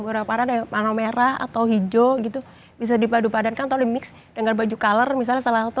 beraparan ada warna merah atau hijau gitu bisa dipadu padankan toli mix dengan baju color misalnya salah satu